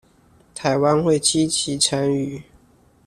臺灣會積極參與